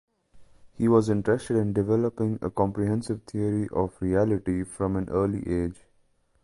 He was interested in developing a comprehensive theory of reality from an early age.